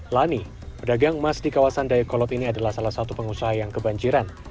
lani pedagang emas di kawasan dayakolot ini adalah salah satu pengusaha yang kebanjiran